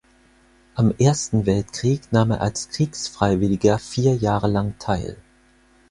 Am Ersten Weltkrieg nahm er als Kriegsfreiwilliger vier Jahre lang teil.